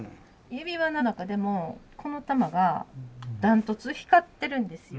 指輪の中でもこの珠がダントツ光ってるんですよ。